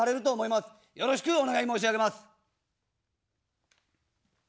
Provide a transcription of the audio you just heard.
よろしくお願い申し上げます。